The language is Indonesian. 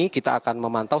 kita akan memantau